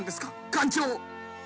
艦長！